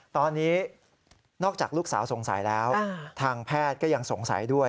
ตอนนี้นอกจากลูกสาวสงสัยแล้วทางแพทย์ก็ยังสงสัยด้วย